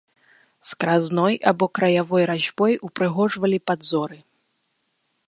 Скразной або краявой разьбой упрыгожвалі падзоры.